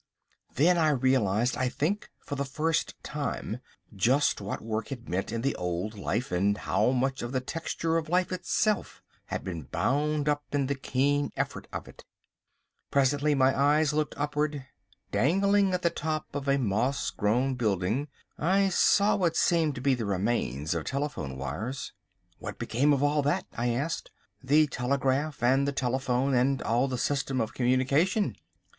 Then I realised, I think for the first time, just what work had meant in the old life, and how much of the texture of life itself had been bound up in the keen effort of it. Presently my eyes looked upward: dangling at the top of a moss grown building I saw what seemed to be the remains of telephone wires. "What became of all that," I said, "the telegraph and the telephone and all the system of communication?"